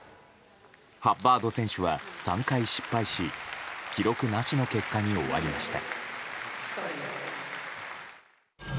ハッバード選手は３回失敗し記録なしの結果に終わりました。